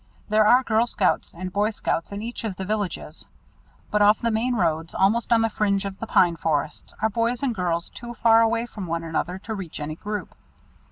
There are Girl Scouts and Boy Scouts in each of the villages; but off the main roads, almost on the fringe of the pine forests, are boys and girls too far away from one another to reach any group.